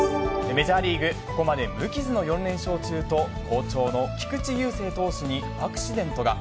メジャーリーグ、ここまで無傷の４連勝中と、好調の菊池雄星投手にアクシデントが。